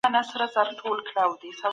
د جامو پاکوالی روغتيا ده